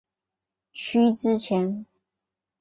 区之前。